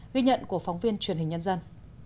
ghi nhận của phóng viên truyền hình nhân dân